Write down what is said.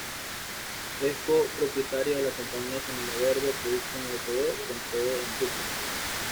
Es co propietaria de la compañía Semilla Verde Productions Ltd con sede en Brooklyn.